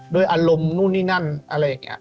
ด้วยอารมณ์นู่นนี่นั่นอะไรอย่างนี้